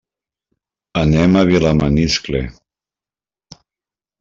Anem a Vilamaniscle.